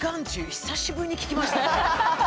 久しぶりに聞きましたね。